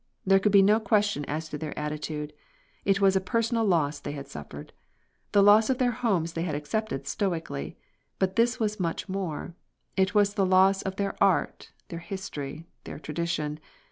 There could be no question as to their attitude. It was a personal loss they had suffered. The loss of their homes they had accepted stoically. But this was much more. It was the loss of their art, their history, their tradition.